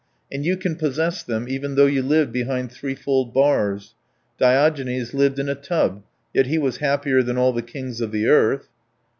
And you can possess them even though you lived behind threefold bars. Diogenes lived in a tub, yet he was happier than all the kings of the earth."